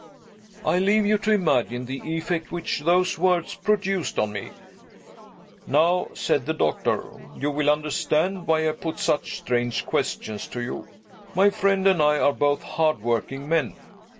I leave you to imagine the effect which those words produced on me. "Now," said the doctor, "you will understand why I put such strange questions to you. My friend and I are both hard working men.